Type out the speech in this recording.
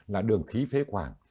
là đường khí phế khoảng